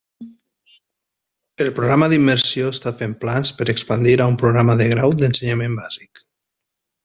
El programa d'immersió està fent plans per expandir a un programa de grau d'ensenyament bàsic.